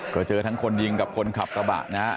ก็เจอทั้งคนยิงกับคนขับกระบะนะฮะ